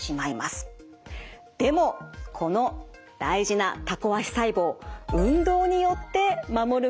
でもこの大事なタコ足細胞。